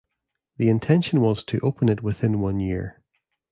The intention was to open it within one year.